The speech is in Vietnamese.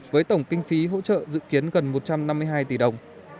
với tổng kinh phí hỗ trợ dự kiến gần một trăm năm mươi hai tỷ đồng